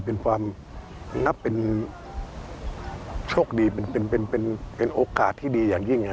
เป็นความนับเป็นโอกาสที่ดีอย่างยิ่ง